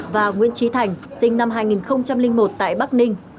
và nguyễn trí thành sinh năm hai nghìn một tại bắc ninh